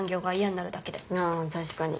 あ確かに。